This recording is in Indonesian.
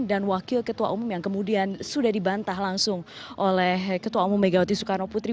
dan wakil ketua umum yang kemudian sudah dibantah langsung oleh ketua umum megawati soekarno putri